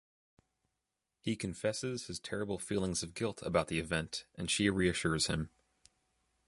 He confesses his terrible feelings of guilt about the event, and she reassures him.